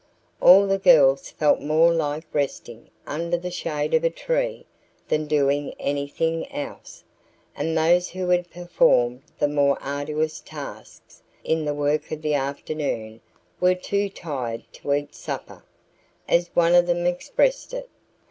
All the girls felt more like resting under the shade of a tree than doing anything else, and those who had performed the more arduous tasks in the work of the afternoon were "too tired to eat supper," as one of them expressed it.